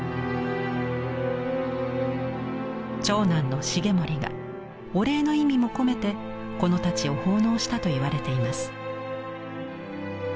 長男の重盛がお礼の意味も込めてこの太刀を奉納したといわれています。